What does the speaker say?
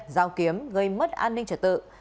dao kiếm gây mất an ninh trật tự